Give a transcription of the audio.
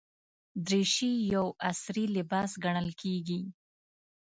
دریشي یو عصري لباس ګڼل کېږي.